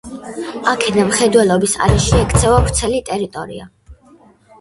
აქედან მხედველობის არეში ექცევა ვრცელი ტერიტორია.